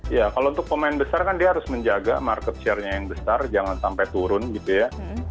ya kalau untuk pemain besar kan dia harus menjaga market share nya yang besar jangan sampai turun gitu ya